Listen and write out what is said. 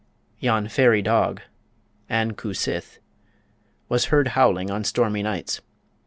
Yon Fairy Dog (An Cu Sith) was heard howling on stormy nights.